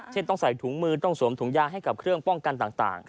ต้องใส่ถุงมือต้องสวมถุงยางให้กับเครื่องป้องกันต่าง